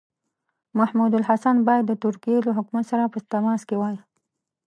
محمودالحسن باید د ترکیې له حکومت سره په تماس کې وای.